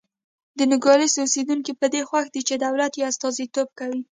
د نوګالس اوسېدونکي په دې خوښ دي چې دولت یې استازیتوب کوي.